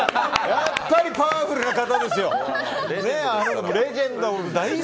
やっぱりパワフルな方ですよ。